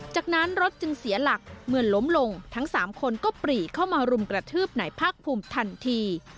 จากนั้นรถจึงเสียหลักเมื่อล้มลงทั้ง๓คนก็ปรีเข้ามารุมกระทืบไหนภาคภูมิทันที